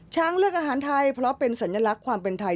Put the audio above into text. ช้างเลือกอาหารไทยเพราะเป็นสัญลักษณ์ความเป็นไทย